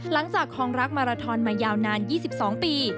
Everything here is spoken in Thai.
หลังจากคองรักมาละทอนมายาวนานยี่สิบสองปี